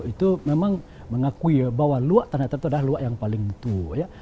itu memang mengakui bahwa luak tanah datar itu adalah luak yang paling tua